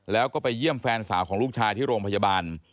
แล้วก็ไปเยี่ยมแฟนสาวของลูกชายที่โรงพยาบาล